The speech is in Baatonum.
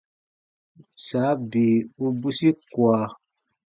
Saa bii u bwisi kua.